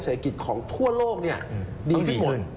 แสดงกิจของทั่วโลกไม่ดีขึ้นหมด